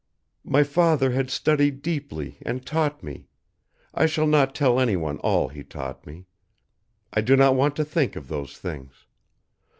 My father had studied deeply and taught me I shall not tell anyone all he taught me! I do not want to think of those things.